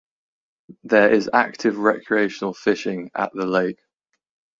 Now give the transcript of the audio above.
There is active recreational fishing at the lake.